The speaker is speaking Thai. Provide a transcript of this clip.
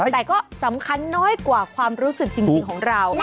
แต่ก็สำคัญน้อยกว่าความรู้สึกจริงของเรา